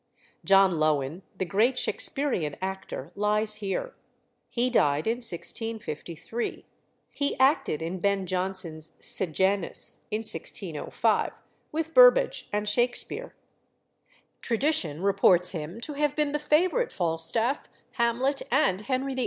John Lowin, the great Shaksperean actor, lies here. He died in 1653. He acted in Ben Jonson's "Sejanus" in 1605, with Burbage and Shakspere. Tradition reports him to have been the favourite Falstaff, Hamlet, and Henry VIII.